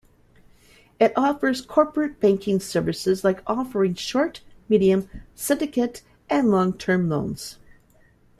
It offers corporate banking services like offering short, medium, syndidate and long-term loans.